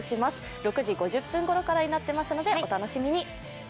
６時５０分ごろからになっていますので、お楽しみに。